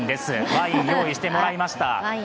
ワイン用意してもらいました。